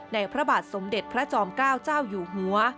พระบาทสมเด็จพระจอมเกล้าเจ้าอยู่หัว